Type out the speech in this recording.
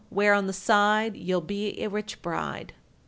Wear on the side, You'll be a rich bride.